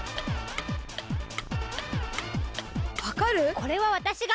これはわたしが。